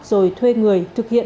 rồi thuê người thực hiện